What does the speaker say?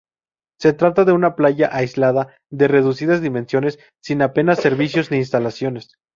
Se trata de una playa aislada de reducidas dimensiones sin apenas servicios ni instalaciones.